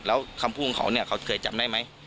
แล้วคำพูดของเขาเนี่ยเขาเคยจำได้ไหม